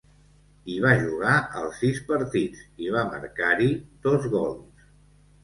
Hi va jugar els sis partits, i va marcar-hi dos gols.